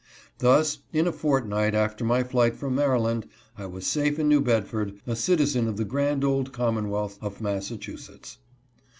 Thus, in a fortnight after my flight from Maryland, I was safe in New Bedford, — a citizen of the grand old commonwealth of Massachusetts.